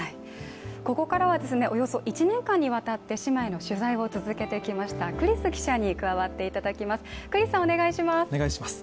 ここからはおよそ１年間にわたって姉妹の取材を続けてきました栗栖記者に加わっていただきます。